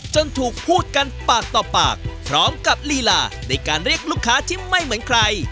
จนถูกพูดกันปากต่อปากพร้อมกับลีลาในการเรียกลูกค้าที่ไม่เหมือนใคร